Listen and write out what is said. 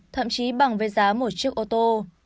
thậm chí bằng với giá một chiếc ô tô